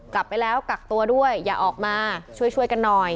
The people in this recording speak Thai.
กลับไปแล้วกักตัวด้วยอย่าออกมาช่วยกันหน่อย